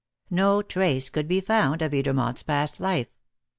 No trace could be found of Edermont's past life.